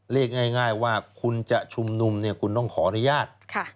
เรียกง่ายว่าคุณจะชุมนุมเนี่ยคุณต้องขออนุญาต